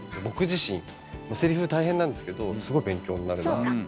僕自身セリフ大変なんですけどすごい勉強になるなあ。